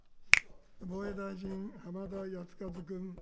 防衛大臣、浜田靖一君。